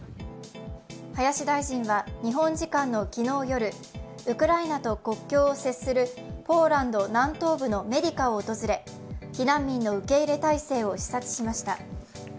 林大臣は日本時間の昨夜夜ウクライナと国境を接するポーランド南東部のメディカを訪れ、避難民の受け入れ態勢を視察しました。